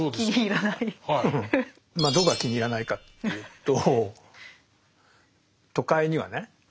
どこが気に入らないかっていうと都会にはね